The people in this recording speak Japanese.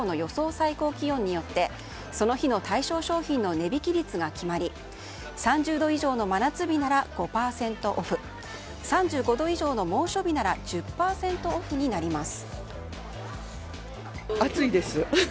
最高気温によってその日の対象商品の値引き率が決まり３０度以上の真夏日なら５％オフ３５度以上の猛暑日なら１０％オフになります。